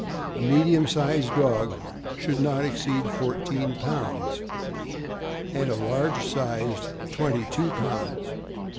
— A medium sized dog should not exceed four teen pounds, and a large sized twenty two pounds.